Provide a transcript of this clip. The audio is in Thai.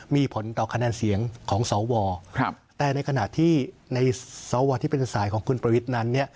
มีผลต่อคะแนนเสียงของสวแต่ในขณะที่ในสวที่เป็นสายของคุณประวิทย์นั้นเนี่ย